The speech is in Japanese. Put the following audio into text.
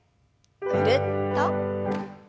ぐるっと。